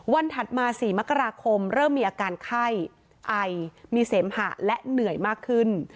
ถัดมา๔มกราคมเริ่มมีอาการไข้ไอมีเสมหะและเหนื่อยมากขึ้น